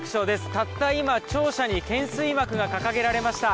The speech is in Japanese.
たった今、庁舎に懸垂幕が掲げられました。